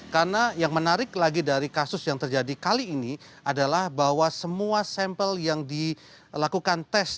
karena yang menarik lagi dari kasus yang terjadi kali ini adalah bahwa semua sampel yang dilakukan tes